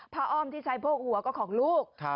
อ้อมที่ใช้โพกหัวก็ของลูก